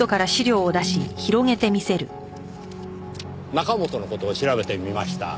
中本の事を調べてみました。